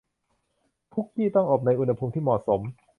คุกกี้ต้องอบในอุณหภูมิที่เหมาะสม